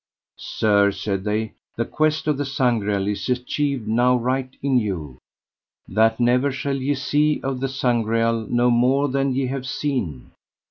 Sir, said they, the quest of the Sangreal is achieved now right in you, that never shall ye see of the Sangreal no more than ye have seen.